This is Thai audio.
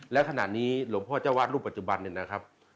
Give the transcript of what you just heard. และขณะนี้หลวงพ่อเจ้าอาวาดลูกปัจจุบันนะครับ